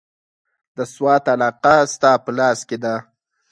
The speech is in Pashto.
د سوات علاقه ستا په لاس کې ده.